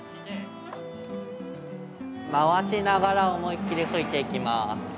回しながら思いっきり吹いていきます。